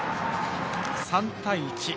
３対１。